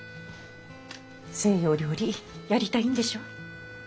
西洋料理やりたいんでしょ？